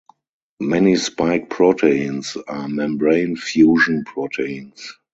Many spike proteins are membrane fusion proteins.